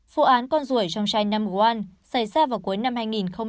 vụ án con ruồi trong chai number one xảy ra vào cuối năm hai nghìn một mươi bốn